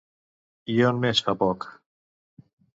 I on més, fa poc?